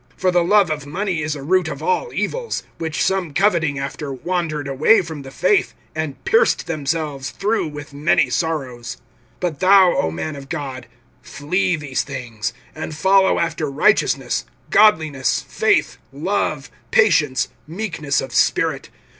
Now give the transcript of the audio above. (10)For the love of money is a root of all evils; which some coveting after wandered away from the faith, and pierced themselves through with many sorrows. (11)But thou, O man of God, flee these things; and follow after righteousness, godliness, faith, love, patience, meekness of spirit.